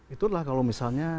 itulah kalau misalnya